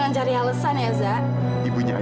nanti dia nangis juga ya